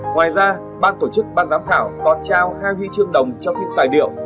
ngoài ra ban tổ chức ban giám khảo còn trao hai huy chương đồng cho phim tài liệu